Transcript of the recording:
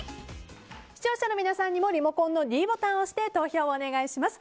視聴者の皆さんにもリモコンのｄボタンを押して投票をお願いします。